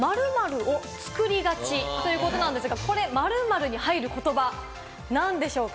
〇〇を作りがちということですが、〇〇に入る言葉、なんでしょうか。